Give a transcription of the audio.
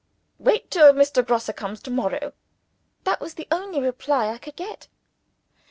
"Wait till Mr. Grosse comes to morrow." That was the only reply I could get.